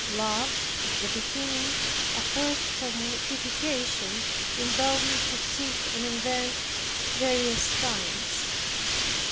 Love, at the beginning, athirst for mortification impelled me to seek and invent various kinds.